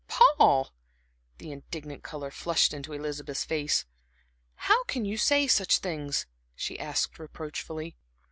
"Paul!" The indignant color flushed into Elizabeth's face. "How can you say such things," she asked reproachfully.